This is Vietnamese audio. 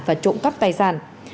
và trộm cắt tài sản